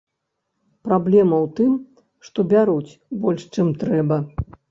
Праблема ў тым, што бяруць больш, чым трэба.